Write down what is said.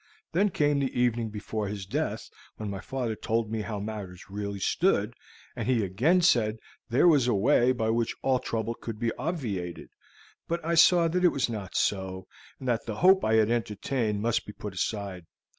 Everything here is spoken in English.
Then came the evening before his death, when my father told me how matters really stood, and he again said that there was a way by which all trouble could be obviated. But I saw that it was not so, and that the hope I had entertained must be put aside.